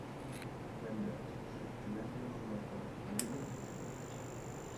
مەنبە: ئۆزۈم جۈمە كۈنى ئاڭلاپ قالغان يەنە بىر مۇسىبەت.